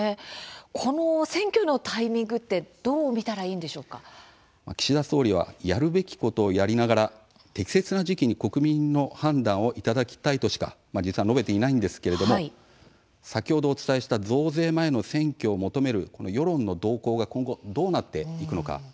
この選挙のタイミングって岸田総理はやるべきことをやりながら適切な時期に国民の判断をいただきたいとしか実は述べていないんですけれども先ほどお伝えした増税前の選挙を求める世論の動向が今後どうなっていくのか。